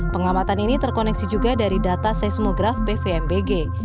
pengamatan ini terkoneksi juga dari data seismograf pvmbg